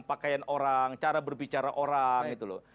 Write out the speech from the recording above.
pakaian orang cara berbicara orang gitu loh